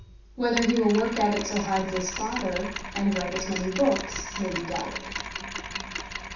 Whether he will work at it so hard as his father, and write as many books, may be doubted.